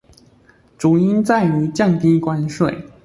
主因在於降低關稅